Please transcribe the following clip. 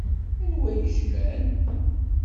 Anwa i yejlan?